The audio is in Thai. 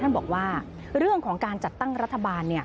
ท่านบอกว่าเรื่องของการจัดตั้งรัฐบาลเนี่ย